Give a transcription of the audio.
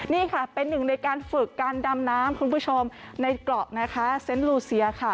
นี่ค่ะเป็นหนึ่งในการฝึกการดำน้ำคุณผู้ชมในเกาะนะคะเซนต์ลูเซียค่ะ